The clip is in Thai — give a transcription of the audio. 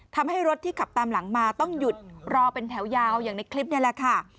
ทำให้รถที่ขับตามหลังมาต้องหยุดรอเป็นแถวยาวอย่างในคลิปนี่แหละค่ะ